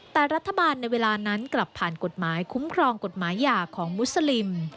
แต่รัฐบาลในเวลานั้นกลับผ่านกฎหมายคุ้มครองกฎหมายหย่าของมุสลิม